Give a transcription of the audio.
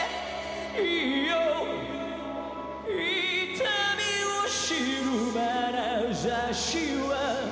「痛みを知るまなざしは」